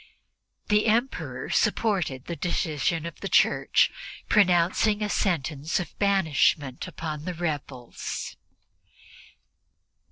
The Emperor supported the decision of the Church, pronouncing a sentence of banishment on the rebels.